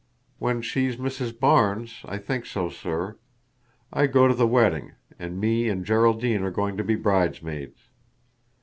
"When she's Mrs. Barnes, I think so, sir. I go to the wedding, and me and Geraldine are going to be bridesmaids."